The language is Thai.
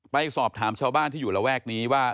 ไปสอบถามชาวบ้านที่อยู่ระแวกนี้ว่า